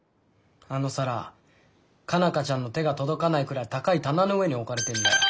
あの皿佳奈花ちゃんの手が届かないくらい高い棚の上に置かれてんだよ。